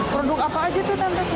produk apa aja itu tante